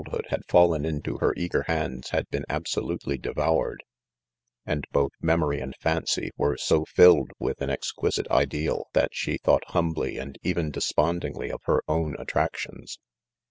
ootl iivA 16 \ IDOMEN* fallen into her eager hands had been absolutely devoured, and both memory and fancy were so filled with an exquisite ideal, that she thought humbly and 'even despondingly of her own at tractions.'